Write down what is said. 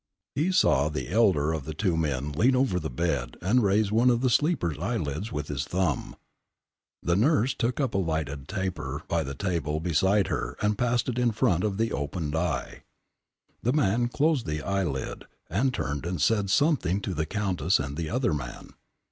He saw the elder of the two men lean over the bed and raise one of the sleeper's eyelids with his thumb. The nurse took up a lighted taper by the table beside her and passed it in front of the opened eye. The man closed the eyelid, and turned and said something to the Countess and the other man.